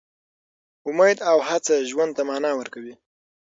امید او هڅه ژوند ته مانا ورکوي.